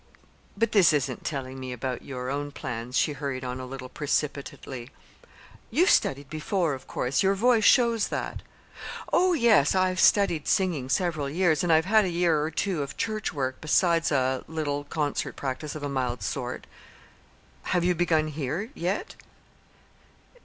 "But this isn't telling me about your own plans," she hurried on a little precipitately. "You've studied before, of course. Your voice shows that." "Oh, yes; I've studied singing several years, and I've had a year or two of church work, besides a little concert practice of a mild sort." "Have you begun here, yet?"